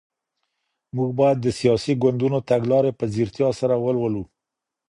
موږ بايد د سياسي ګوندونو تګلاري په ځيرتيا سره ولولو.